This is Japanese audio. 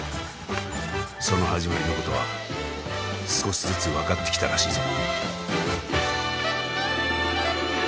その始まりのことは少しずつ分かってきたらしいぞ。